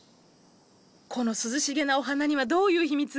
この涼しげなお花にはどういう秘密が？